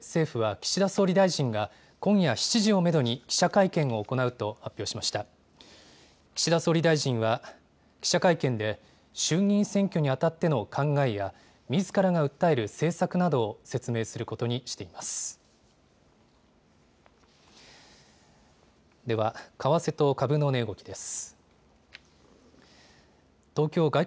岸田総理大臣は記者会見で、衆議院選挙にあたっての考えや、みずからが訴える政策などを説明することにしています。